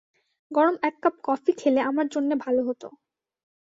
গরম এক cup coffee খেলে আমার জন্যে ভালো হত।